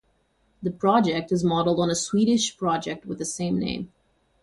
The project is modeled on a Swedish project with the same name.